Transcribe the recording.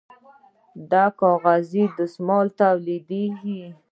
د کاغذ دستمال تولیدیږي